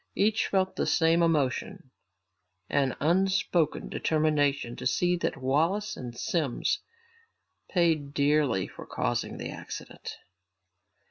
Each felt the same emotion, an unspoken determination to see that Wallace and Simms paid dearly for causing the accident.